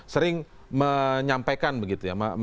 sering menyampaikan begitu ya